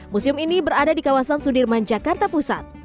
museum ini berada di kawasan sudirman jakarta pusat